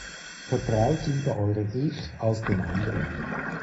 Vertraut lieber Eurem Ich als den anderen!